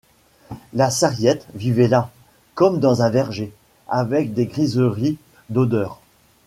La Sarriette vivait là, comme dans un verger, avec des griseries d’odeurs.